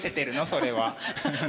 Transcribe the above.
それは。